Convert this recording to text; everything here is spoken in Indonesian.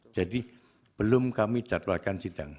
jadi belum kami jadwalkan sidang